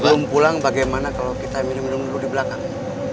belum pulang bagaimana kalau kita minum minum dulu di belakang